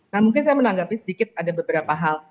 nah mungkin saya menanggapi sedikit ada beberapa hal